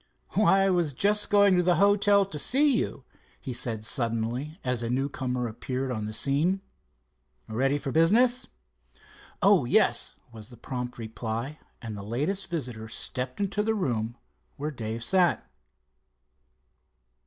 "Why, I was just going to the hotel to see you," he said suddenly, as a newcomer appeared on the scene. "Ready for business?" "Oh, yes," was the prompt reply, and the latest visitor stepped into the room where Dave sat.